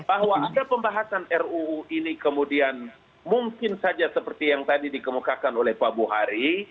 bahwa ada pembahasan ruu ini kemudian mungkin saja seperti yang tadi dikemukakan oleh pak buhari